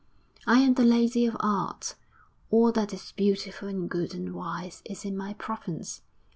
'I am the Lady of Art; all that is beautiful and good and wise is in my province.